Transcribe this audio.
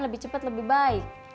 lebih cepet lebih baik